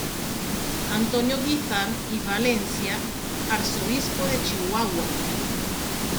Antonio Guízar y Valencia, arzobispo de Chihuahua.